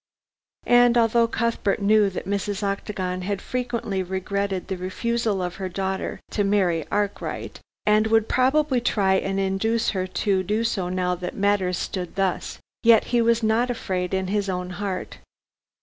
And although Cuthbert knew that Mrs. Octagon had frequently regretted the refusal of her daughter to marry Arkwright, and would probably try and induce her to do so now that matters stood thus, yet he was not afraid in his own heart.